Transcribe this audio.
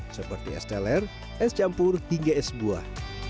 seperti es teler es campur hingga es buah